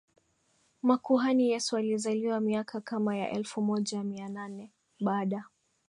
makuhani Yesu alizaliwa miaka kama ya elfu moja Mia nane baada